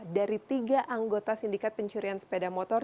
dari tiga anggota sindikat pencurian sepeda motor